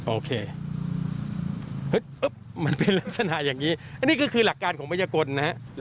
โอเคมันเป็นลักษณะอย่างนี้อันนี้ก็คือหลักการของพยากลนะฮะ